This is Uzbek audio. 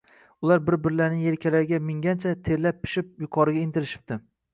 Ular bir-birlarining yelkalariga mingancha, terlab-pishib yuqoriga intilishibdi